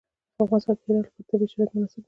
په افغانستان کې د هرات لپاره طبیعي شرایط مناسب دي.